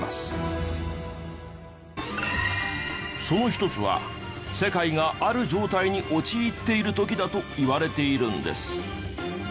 その１つは世界がある状態に陥っている時だといわれているんです。